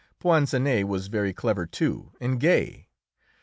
Poinsinet was very clever, too, and gay.